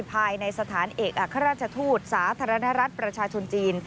ภายในสถานเอกอัครราชทูตสาธารณรัฐประชาชนจีน